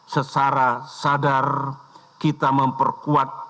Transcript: sesara sadar kita memperkuat